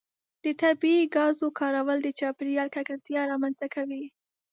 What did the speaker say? د طبیعي ګازو کارول د چاپیریال ککړتیا رامنځته کوي.